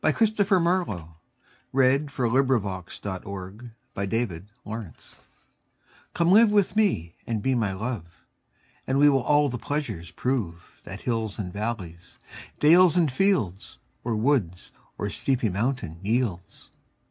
Christopher Marlowe. 1564–93 121. The Passionate Shepherd to His Love COME live with me and be my Love, And we will all the pleasures prove That hills and valleys, dales and fields, Or woods or steepy mountain yields.